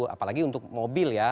apalagi untuk mobil ya